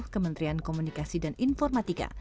kementerian komunikasi dan informatika